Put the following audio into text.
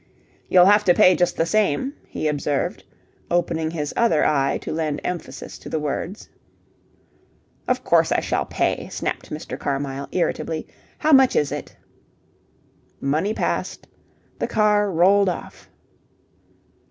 "You'll have to pay just the same," he observed, opening his other eye to lend emphasis to the words. "Of course I shall pay," snapped Mr. Carmyle, irritably. "How much is it?" Money passed. The car rolled off.